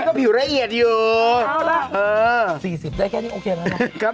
มีผิวละเอียดอยู่ฮือสี่สิบได้แค่นี้โอเคแล้วนะครับ